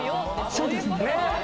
そうですね。